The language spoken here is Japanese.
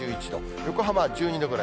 横浜１２度ぐらい。